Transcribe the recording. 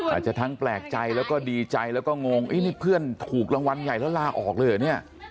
อาจจะทั้งแปลกใจแล้วก็ดีใจแล้วก็งงนี่เพื่อนถูกรางวัลใหญ่แล้วลาออกเลยเหรอเนี่ย